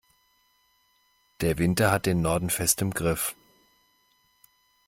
Der Winter hat den Norden fest im Griff.